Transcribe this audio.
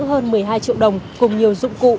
hơn một mươi hai triệu đồng cùng nhiều dụng cụ